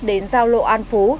đến giao lộ an phú